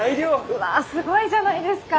うわすごいじゃないですか。